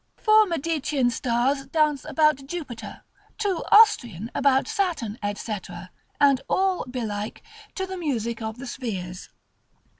Four Medicean stars dance about Jupiter, two Austrian about Saturn, &c., and all (belike) to the music of the spheres.